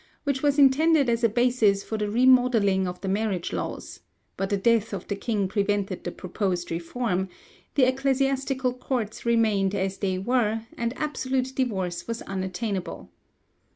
which was intended as a basis for the re modelling of the marriage laws, but the death of the king prevented the proposed reform; the ecclesiastical courts remained as they were, and absolute divorce was unattainable.